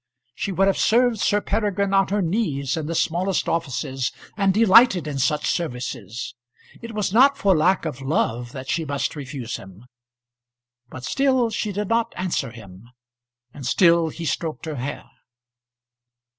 She would have served Sir Peregrine on her knees in the smallest offices, and delighted in such services. It was not for lack of love that she must refuse him. But still she did not answer him, and still he stroked her hair.